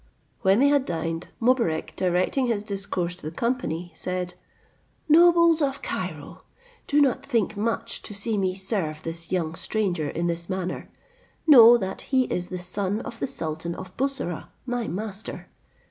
When they had dined, Mobarec directing his discourse to the company, said, "Nobles of Cairo, do not think much to see me serve this young stranger in this manner: know that he is the son of the sultan of Bussorah, my master.